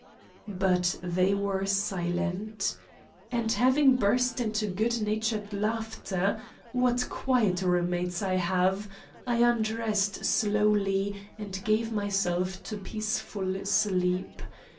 But they were silent. And having burst into good natured laughter What quiet roommates I have! I undressed slowly and gave myself to peaceful sleep.